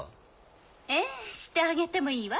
ええしてあげてもいいわ